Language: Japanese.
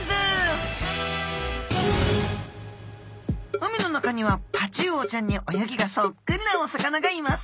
海の中にはタチウオちゃんに泳ぎがそっくりなお魚がいます。